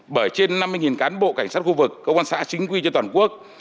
bởi trên năm mươi cán bộ cảnh sát khu vực công an xã chính quy trên toàn quốc